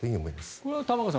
これは玉川さん